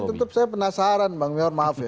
ini tetep saya penasaran bang mihor maaf ya